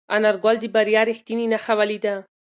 انارګل د بریا رښتینې نښه ولیده.